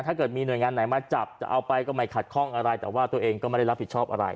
ถ้าเกิดมีหน่วยงานไหนมาจับจะเอาไปก็ไม่ขัดข้องอะไรแต่ว่าตัวเองก็ไม่ได้รับผิดชอบอะไร